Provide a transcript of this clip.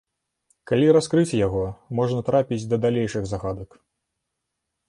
Калі раскрыць яго, можна трапіць да далейшых загадак.